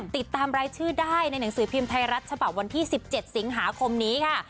ติดตามรายชื่อได้ในหนังสือพิมพ์ไทยรัฐฉบับวันที่๑๗สิงหาคมนี้ค่ะ